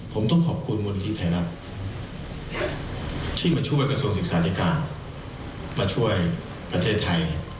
ผมต้องขอบคุณมูลนิธิไทยรัฐที่มาช่วยกระทรวงศึกษาธิการมาช่วยประเทศไทย